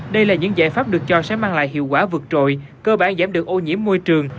đây là những giải pháp được cho sẽ mang lại hiệu quả vượt trội cơ bản giảm được ô nhiễm môi trường